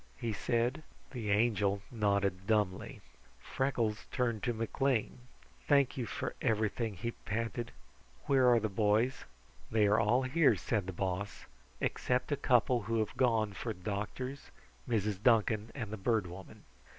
he said. The Angel nodded dumbly. Freckles turned to McLean. "Thank you for everything," he panted. "Where are the boys?" "They are all here," said the Boss, "except a couple who have gone for doctors, Mrs. Duncan and the Bird Woman."